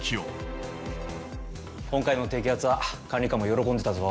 「今回の摘発は管理官も喜んでたぞ」